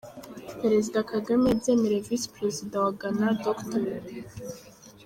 Perezida Kagame yabyemereye Visi-Perezida wa Ghana, Dr.